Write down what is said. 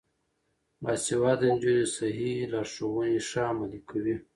باسواده نجونې صحي لارښوونې ښې عملي کوي.